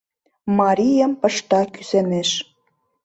Марийым пышта кӱсенеш;